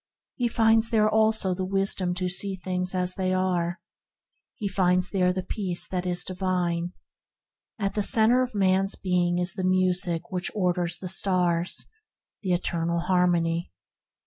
He finds there Wisdom to see things as they are. He finds there the Peace that is divine. At the centre of man's being is THE DIVINE CENTRE 89 the Music that orders the stars — the Eternal Harmony.